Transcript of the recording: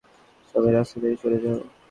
সবাই রাস্তা থেকে সরে যাও!